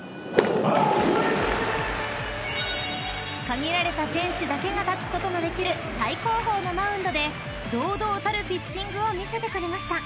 ［限られた選手だけが立つことができる最高峰のマウンドで堂々たるピッチングを見せてくれました］